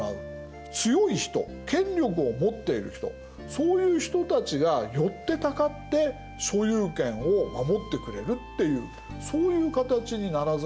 強い人権力を持っている人そういう人たちが寄ってたかって所有権を守ってくれるっていうそういう形にならざるをえない。